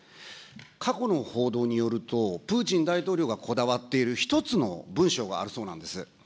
過去の報道によると、プーチン大統領がこだわっている１つの文書があるそうなんです。